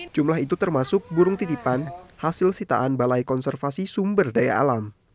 jumlah itu termasuk burung titipan hasil sitaan balai konservasi sumber daya alam